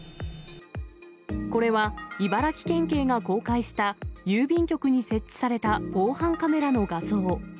これは、茨城県警が公開した郵便局に設置された防犯カメラの画像。